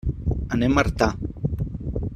Anem a Artà.